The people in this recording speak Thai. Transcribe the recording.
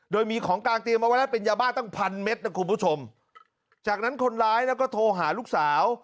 โดยมีของกลางเตรียมเอาไว้แล้วเป็นยาบ้าตั้งพันเม็ดนะคุณผู้ชมจากนั้นคนร้ายแล้วก็โทรหาลูกสาว